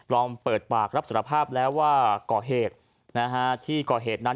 อมเปิดปากรับสารภาพแล้วว่าก่อเหตุที่ก่อเหตุนั้น